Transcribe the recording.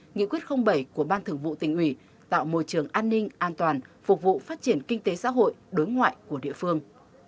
nghị quyết bảy của ban thường vụ tỉnh ủy tạo môi trường an ninh an toàn phục vụ phát triển kinh tế xã hội đối ngoại của địa phương